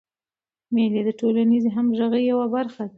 مېلې د ټولنیزي همږغۍ یوه برخه ده.